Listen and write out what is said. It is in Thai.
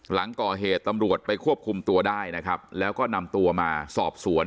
หลังก่อเหตุตำรวจไปควบคุมตัวได้นะครับแล้วก็นำตัวมาสอบสวน